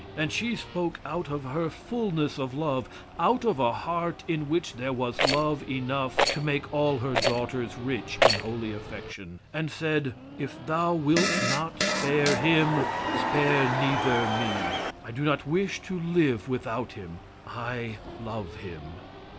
And she spoke out of her fullness of love, out of a heart in which there was love enough to make all her daughters rich in holy affection, and said: "If thou wilt not spare him, spare neither me. I do not wish to live without him, I love him."